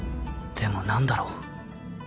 でも何だろう